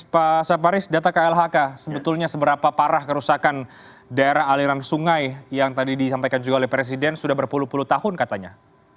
pak saparis data klhk sebetulnya seberapa parah kerusakan daerah aliran sungai yang tadi disampaikan juga oleh presiden sudah berpuluh puluh tahun katanya